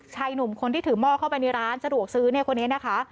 ชายหนุ่มคนที่ถือหม้อเข้าไปในร้านสะดวกซื้อเนี่ยคนนี้นะคะ